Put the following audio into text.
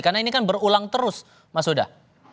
karena ini kan berulang terus mas uda